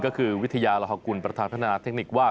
ก็คือวิทยาลหกุลประธานพัฒนาเทคนิคว่า